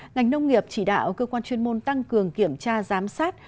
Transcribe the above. ngành nông nghiệp chỉ đạo cơ quan chuyên môn tăng cường kiểm tra giám sát